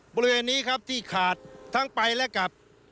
บริเวณนี้ครับที่ขาดทั้งไปและกลับ